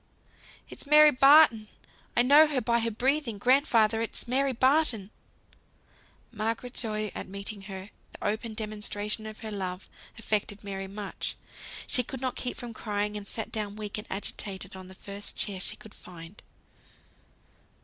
"It's Mary Barton! I know her by her breathing! Grandfather, it's Mary Barton!" Margaret's joy at meeting her, the open demonstration of her love, affected Mary much; she could not keep from crying, and sat down weak and agitated on the first chair she could find.